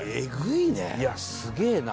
「いやすげえな」